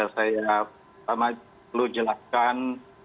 saya pertama perlu jelaskan